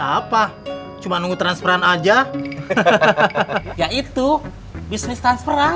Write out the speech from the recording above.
apa cuma nunggu transferan aja hahaha ya itu bisnis transferan